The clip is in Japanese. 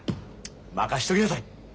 任しときなさい。